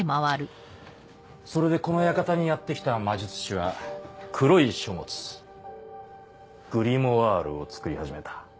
それでこの館にやって来た魔術師は黒い書物「グリモワール」を作り始めた。